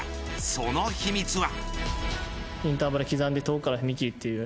その秘密は。